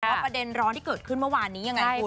ประเด็นร้อนที่เกิดขึ้นเมื่อวานนี้ยังไงคุณ